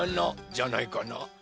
じゃないかな？